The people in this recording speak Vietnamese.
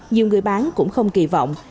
nhiều người bán cũng không kỳ vọng